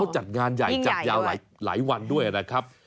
จัดงานใหญ่จัดยาวหลายวันด้วยนะครับ